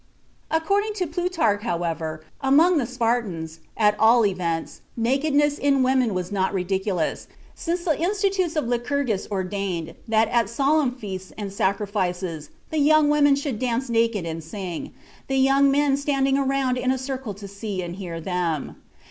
According to Plutarch, however, among the Spartans, at all events, nakedness in women was not ridiculous, since the institutes of Lycurgus ordained that at solemn feasts and sacrifices the young women should dance naked and sing, the young men standing around in a circle to see and hear them.